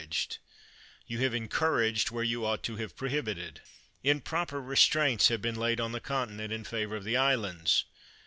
207 THE WORLD'S FAMOUS ORATIONS You have encouraged where you ought to have prohibited. Improper restraints have been laid on the continent in favor of the islands.